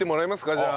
じゃあ。